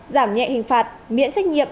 giảm nhẹ hình phạt miễn trách nhiệm